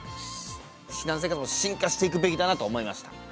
避難生活も進化していくべきだなと思いました。